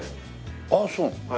ああそう。